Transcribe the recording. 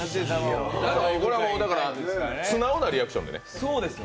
素直なリアクションでね。